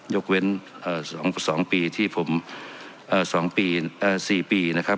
ยกเว้น๒ปีที่ผม๒ปี๔ปีนะครับ